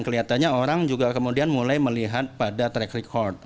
kelihatannya orang juga kemudian mulai melihat pada track record